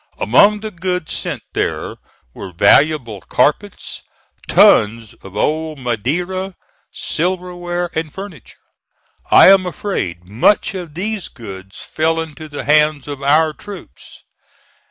Among the goods sent there were valuable carpets, tons of old Madeira, silverware, and furniture. I am afraid much of these goods fell into the hands of our troops.